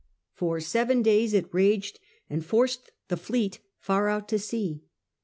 For seven days it raged and forced the fleet far out to sea.